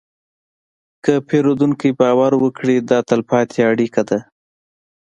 که پیرودونکی باور وکړي، دا تلپاتې اړیکه ده.